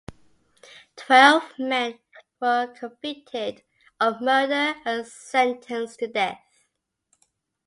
Twelve men were convicted of murder and sentenced to death.